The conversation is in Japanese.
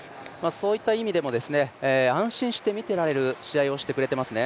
そういった意味でも安心して見てられる試合をしてくれてますね。